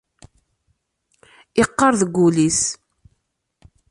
Iqqar deg wul-is.